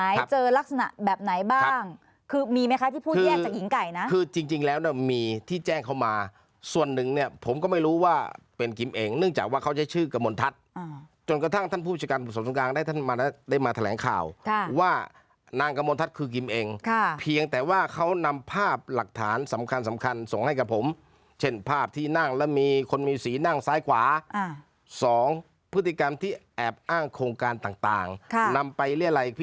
แยกจากหญิงไก่นะคือจริงแล้วมีที่แจ้งเข้ามาส่วนหนึ่งเนี่ยผมก็ไม่รู้ว่าเป็นกิมเองเนื่องจากว่าเขาใช้ชื่อกระมวลทัศน์จนกระทั่งท่านผู้จัดการสงการได้มาแถลงข่าวว่านางกระมวลทัศน์คือกิมเองเพียงแต่ว่าเขานำภาพหลักฐานสำคัญส่งให้กับผมเช่นภาพที่นั่งแล้วมีคนมีสีนั่งซ้ายขวา๒พฤ